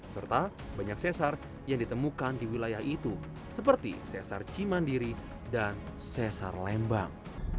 serta banyak sesar yang ditemukan di wilayah itu seperti sesar cimandiri dan sesar lembang